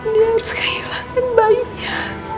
dia harus kehilangan bayinya